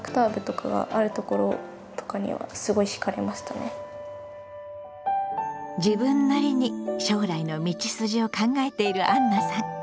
部活に自分なりに将来の道筋を考えているあんなさん。